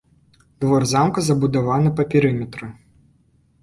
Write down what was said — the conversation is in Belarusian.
Двор замка забудаваны па перыметры.